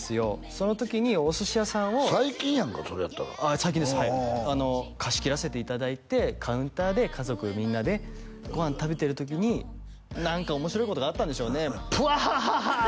その時にお寿司屋さんを最近やんかそれやったらああ最近ですはい貸し切らせていただいてカウンターで家族みんなでご飯食べてる時に何か面白いことがあったんでしょうねプハハハッ！